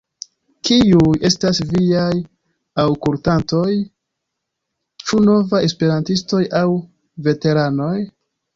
Kiuj estas viaj aŭkultantoj, ĉu novaj esperantistoj aŭ veteranoj?